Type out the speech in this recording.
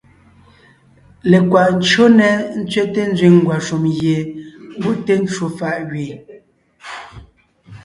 Lekwaʼ ncÿó nɛ́ tsẅɛ́te nzẅìŋ ngwàshùm gie pɔ́ té ncwò fàʼ gẅeen,